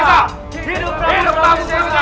hidup rangus rosesa